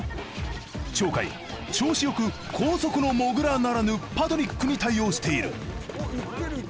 鳥海調子良く高速のもぐらならぬパトリックに対応している。